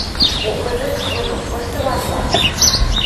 Коклы вӹц кроным кышты вара моат?